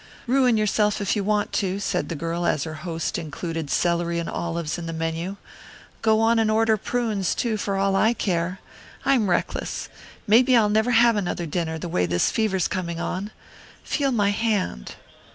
"Ruin yourself if you want to," said the girl as her host included celery and olives in the menu. "Go on and order prunes, too, for all I care. I'm reckless. Maybe I'll never have another dinner, the way this fever's coming on. Feel my hand."